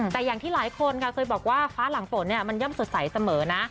แต่อย่างที่หลายคนค่ะเคยบอกว่าฟ้าหลังฝนมันย่อมสดใสเสมอนะ